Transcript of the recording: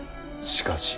しかし。